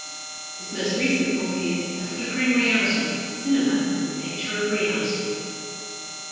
His most recent book is "A Flickering Reality: Cinema and the Nature of Reality".